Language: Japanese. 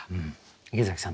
池崎さん